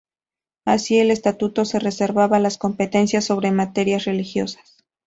Así el Estatuto se reservaba la competencias sobre materias religiosas.